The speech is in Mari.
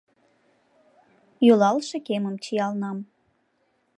Йӱлалше кемым чиялнам